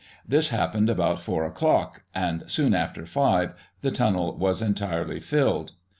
This happened about four o'clock, and, soon after five, the tunnel was entirely filled.